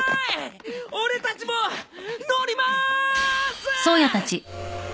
俺たちも乗りまーす！